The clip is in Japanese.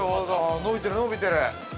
伸びてる、伸びてる。